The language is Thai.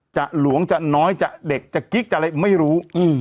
หลวงจะน้อยจะเด็กจะกิ๊กจะอะไรไม่รู้